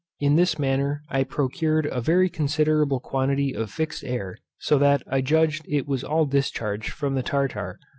In this manner I procured a very considerable quantity of fixed air, so that I judged it was all discharged from the tartar.